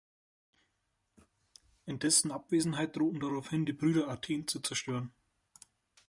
In dessen Abwesenheit drohten daraufhin die Brüder Athen zu zerstören.